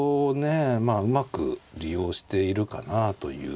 まあうまく利用しているかなという。